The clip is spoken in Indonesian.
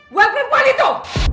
buat perempuan itu